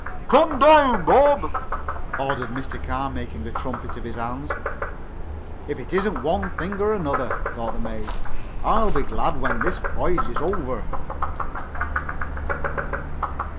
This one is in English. "Come down, Bob!" ordered Mr. Carr, making a trumpet of his hands. "If it isn't one thing it's another," thought the mate. "I'll be glad when this voyage is over."